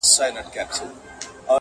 ناموسي دودونه اصل ستونزه ده ښکاره